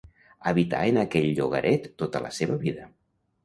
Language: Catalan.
Habità en aquell llogaret tota la seva vida.